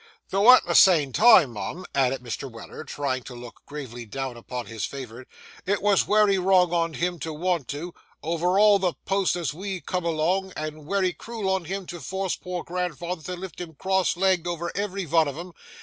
Though at the same time, mum,' added Mr. Weller, trying to look gravely down upon his favourite, 'it was wery wrong on him to want to—over all the posts as we come along, and wery cruel on him to force poor grandfather to lift him cross legged over every vun of 'em.